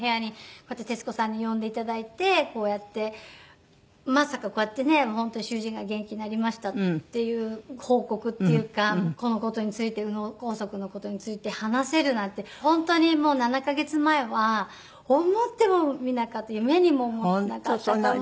こうやって徹子さんに呼んで頂いてこうやってまさかこうやってね本当主人が元気になりましたっていう報告っていうかこの事について脳梗塞の事について話せるなんて本当に７カ月前は思ってもみなかった夢にも思ってなかったから。